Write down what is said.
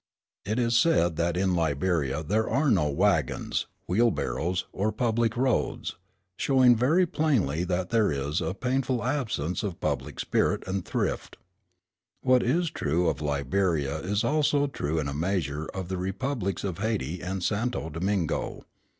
It is said that in Liberia there are no wagons, wheelbarrows, or public roads, showing very plainly that there is a painful absence of public spirit and thrift. What is true of Liberia is also true in a measure of the republics of Hayti and Santo Domingo.